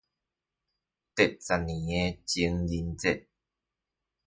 第十年的情人節